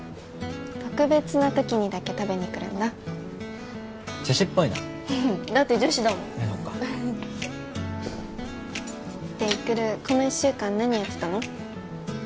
特別なときにだけ食べにくるんだ女子っぽいなだって女子だもんそっかで育この１週間何やってたの？